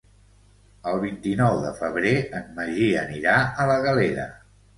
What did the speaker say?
El vint-i-nou de febrer en Magí anirà a la Galera.